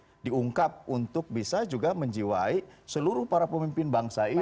itu diungkap untuk bisa juga menjiwai seluruh para pemimpin bangsa ini